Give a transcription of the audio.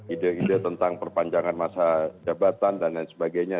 ide ide tentang perpanjangan masa jabatan dan lain sebagainya